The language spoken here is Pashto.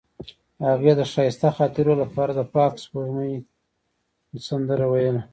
هغې د ښایسته خاطرو لپاره د پاک سپوږمۍ سندره ویله.